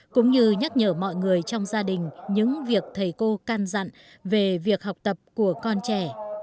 cũng như nhắc nhở mọi người trong gia đình những việc thầy cô can dặn về việc học tập của con trẻ